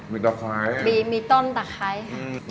มีตะไคร้มีมีต้นตะไคร้ค่ะ